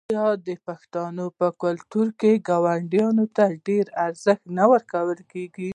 آیا د پښتنو په کلتور کې ګاونډي ته ډیر ارزښت نه ورکول کیږي؟